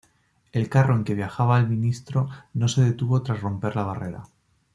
El carro en que viajaba el ministro no se detuvo tras romper la barrera.